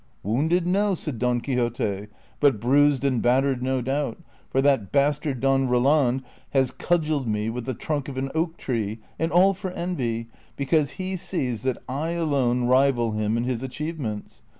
'' Wounded no," said Don Quixote, " but bruised and bat tered no doubt, for that bastard Don Eoland has cudgelled me with the trunk of an oak tree, and all for envy, because he sees that I alone rival him in his achievements.